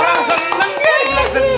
orang seneng kan gila sedih